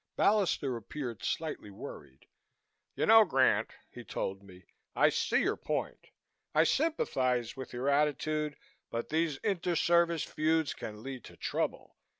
Ballister appeared slightly worried. "You know, Grant," he told me, "I see your point. I sympathize with your attitude, but these inter service feuds can lead to trouble.